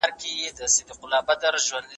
ستر مرجاني دېوال ژوندی جوړښت دی.